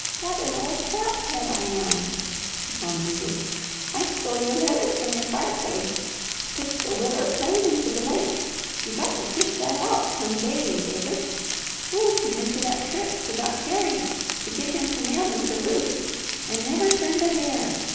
"What an old sap head I am!" she commented. "I stole your letters from your fireplace, pitched a willer plate into the lake you got to fish that out, come day, David fooled you into that trip to Doc Carey to get him to mail them to Ruth, and never turned a hair.